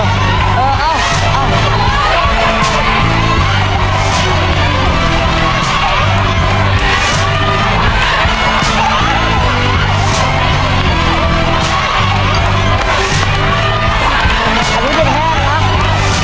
ดีนะครับหนึ่งสามน่ารักต้องชอบช่วย